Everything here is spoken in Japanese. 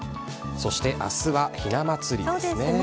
そしてあすはひな祭りですね。